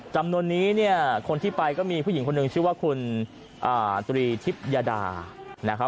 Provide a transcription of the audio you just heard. จำนวนนี้คนที่ไปก็มีผู้หญิงคนหนึ่งชื่อว่าคุณตรีทิพยาดา